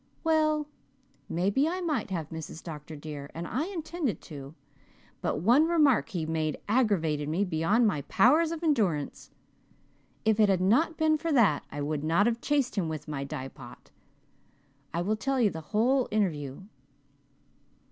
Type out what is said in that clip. "Well, maybe I might have, Mrs. Dr. dear, and I intended to, but one remark he made aggravated me beyond my powers of endurance. If it had not been for that I would not have chased him with my dye pot. I will tell you the whole interview.